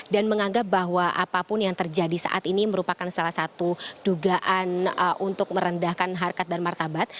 dan menganggap bahwa apapun yang terjadi saat ini merupakan salah satu dugaan untuk merendahkan harkat dan martabat